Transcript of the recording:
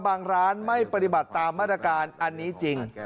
ร้านไม่ปฏิบัติตามมาตรการอันนี้จริง